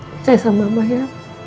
percaya sama mama ya